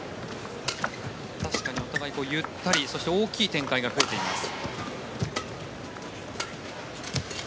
確かにお互いにゆっくりそして大きい展開が増えています。